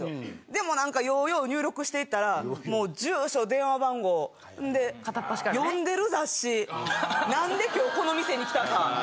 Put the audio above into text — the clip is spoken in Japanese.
でも何かようよう入力していったら住所電話番号ほんで読んでる雑誌何で今日この店に来たか？